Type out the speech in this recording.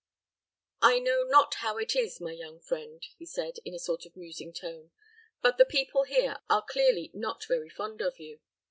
"I know not how it is, my young friend," he said, in a sort of musing tone, "but the people here are clearly not very fond of you.